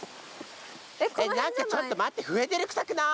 えっ何かちょっと待って増えてるくさくない？